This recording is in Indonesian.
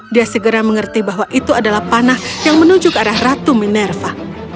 dia segera mengerti bahwa itu adalah panah yang menunjuk arah ratu minerva